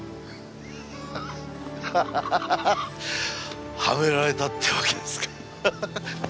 ハハハハハはめられたってわけですか。